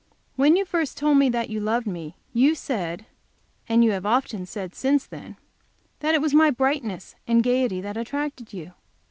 When you first told me that you loved me, you said, and you have often said so since then, that it was my "brightness and gayety" that attracted you.